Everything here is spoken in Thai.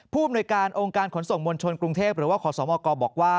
ผู้อำนวยการองค์การขนส่งมวลชนกรุงเทพหรือว่าขอสมกบอกว่า